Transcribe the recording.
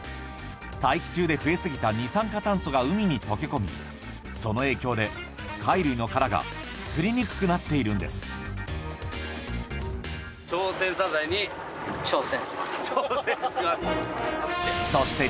大気中で増えすぎた二酸化炭素が海に溶け込みその影響で貝類の殻が作りにくくなっているんですそして